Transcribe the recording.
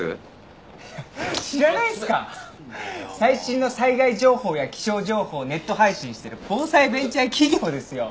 最新の災害情報や気象情報をネット配信してる防災ベンチャー企業ですよ。